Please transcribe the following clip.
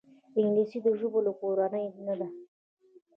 انګلیسي د ژبو له کورنۍ نه ده